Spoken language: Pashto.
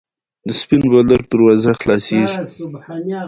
ازادي راډیو د بانکي نظام په اړه د معارفې پروګرامونه چلولي.